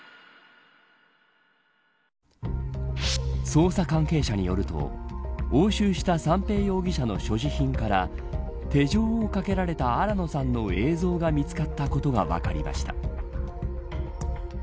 捜査関係者によると押収した三瓶容疑者の所持品から手錠をかけられた新野さんの映像が見つかったことが分かりました。